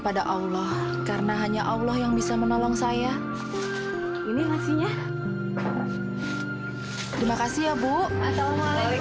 pada allah karena hanya allah yang bisa menolong saya ini ngasihnya terima kasih ya bu assalamualaikum